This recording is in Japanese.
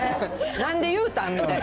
なんで言うたん？みたいな。